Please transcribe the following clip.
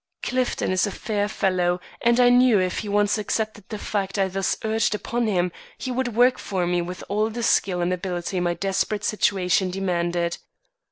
Clifton is a fair fellow and I knew if he once accepted the fact I thus urged upon him, he would work for me with all the skill and ability my desperate situation demanded.